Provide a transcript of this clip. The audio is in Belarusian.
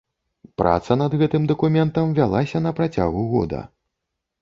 Праца над гэтым дакументам вялася на працягу года.